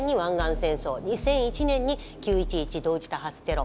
２００１年に９．１１同時多発テロ。